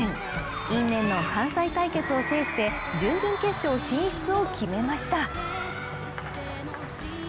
因縁の関西対決を制して準々決勝進出を決めました。